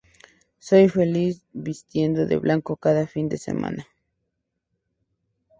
Soy feliz vistiendo de blanco cada fin de semana".